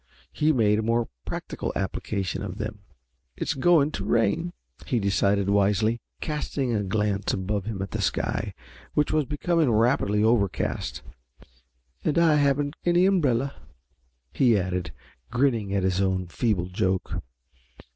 He made a more practical application of them. "It's going to rain," he decided wisely, casting a glance above him at the sky, which was becoming rapidly overcast. "And I haven't any umbrella," he added, grinning at his own feeble joke.